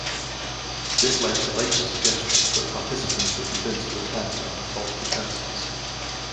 This led to later suggestions that participants were convinced to attend under false pretenses.